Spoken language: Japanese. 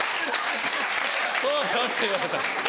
「そうよ」って言われたら。